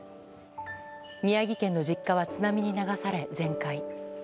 宮城県の実家は津波に流され全壊。